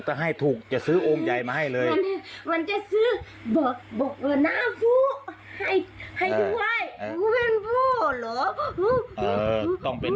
ตัวไหนซื้อแล้วตัวไหน